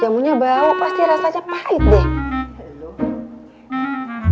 jamunya bau pasti rasanya pahit deh